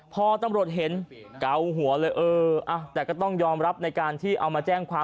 พอตำรวจเห็นเกาหัวเลยเออแต่ก็ต้องยอมรับในการที่เอามาแจ้งความ